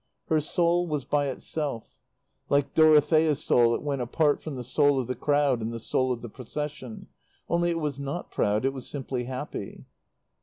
Her soul was by itself. Like Dorothea's soul it went apart from the soul of the crowd and the soul of the Procession; only it was not proud; it was simply happy.